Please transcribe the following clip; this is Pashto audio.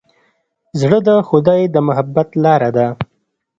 زړه د خدای د محبت لاره ده.